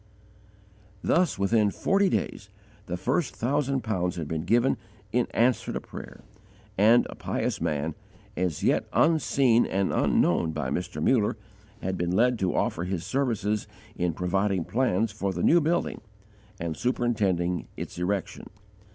Thus, within forty days, the first thousand pounds had been given in answer to prayer, and a pious man, as yet unseen and unknown by Mr. Muller, had been led to offer his services in providing plans for the new building and superintending its erection.